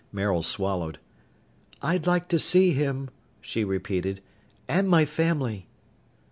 Maril swallowed. "I'd like to see him," she repeated. "And my family."